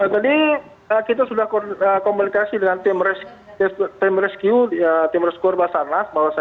tadi kita sudah komunikasi dengan tim rescue tim reskor basarnas